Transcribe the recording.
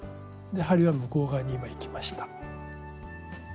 針は向こう側に今いきました。